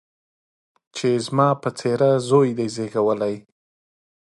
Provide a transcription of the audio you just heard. چي یې زما په څېره زوی دی زېږولی